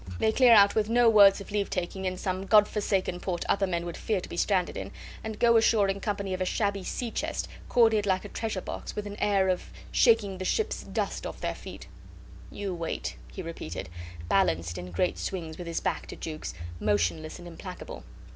They clear out with no words of leavetaking in some God forsaken port other men would fear to be stranded in, and go ashore in company of a shabby sea chest, corded like a treasure box, and with an air of shaking the ship's dust off their feet. "You wait," he repeated, balanced in great swings with his back to Jukes, motionless and implacable.